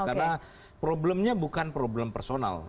karena problemnya bukan problem personal